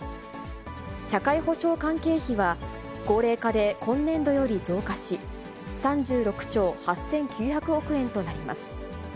社会保障関係費は、高齢化で今年度より増加し、３６兆８９００億円となります。